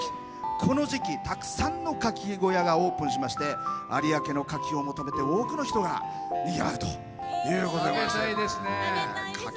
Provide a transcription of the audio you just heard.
この時期、たくさんのかき小屋がオープンしまして有明のかきを求めて多くの人がにぎわうということです。